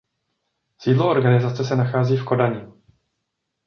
Sídlo organizace se nachází v Kodani.